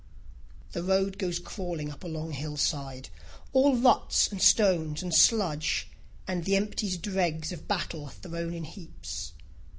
The road goes crawling up a long hillside, All ruts and stones and sludge, and the emptied dregs Of battle thrown in heaps.